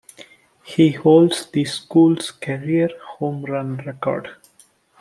He holds the school's career home run record.